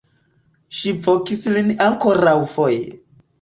Ŝi vokis lin ankoraŭfoje.